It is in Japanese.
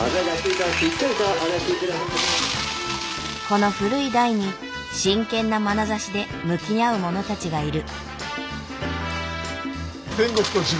この古い台に真剣なまなざしで向き合う者たちがいる。